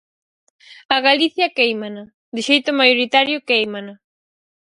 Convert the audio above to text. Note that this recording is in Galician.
A Galicia quéimana; de xeito maioritario quéimana.